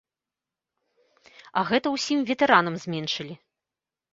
А гэта ўсім ветэранам зменшылі.